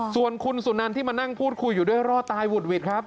ส่วนคุณสุนันที่มานั่งพูดคุยอยู่ด้วยรอดตายหุดหวิดครับ